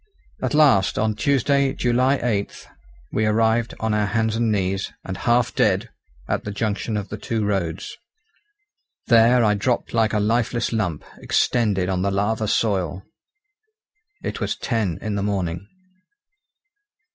At last, on Tuesday, July 8, we arrived on our hands and knees, and half dead, at the junction of the two roads. There I dropped like a lifeless lump, extended on the lava soil. It was ten in the morning.